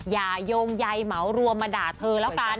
โยงใยเหมารวมมาด่าเธอแล้วกัน